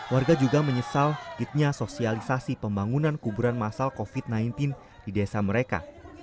warga juga menyesal kitnya sosialisasi pembangunan kuburan masal covid sembilan belas di desa mereka